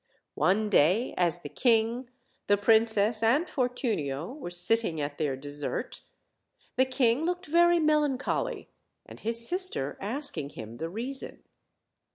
One day, as the king, the princess, and Fortunio were sitting at their dessert, the king looked very melancholy; and his sister asking him the reason.